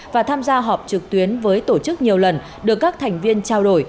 và tham gia họp trực tuyến với tổ chức nhiều lần được các thành viên trao đổi